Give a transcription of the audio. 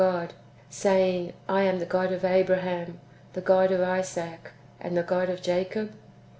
387 God, saying, I am the God of Abraham, the God of Isaac, and the God of Jacob